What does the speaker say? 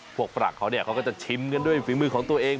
พวกฝรั่งเขาก็จะชิมกันด้วยฝีมือของตัวเอง